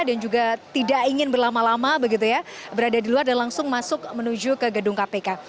dan juga tidak ingin berlama lama begitu ya berada di luar dan langsung masuk menuju ke gedung kpk